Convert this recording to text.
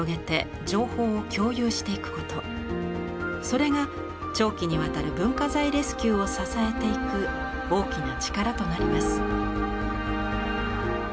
それが長期にわたる文化財レスキューを支えていく大きな力となります。